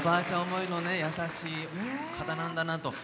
思いの優しい方なんだなと。